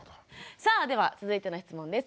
さあでは続いての質問です。